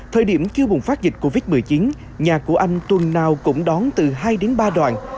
thời điểm chưa bùng phát dịch covid một mươi chín nhà của anh tuần nào cũng đón từ hai đến ba đoàn